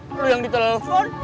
lo yang ditelepon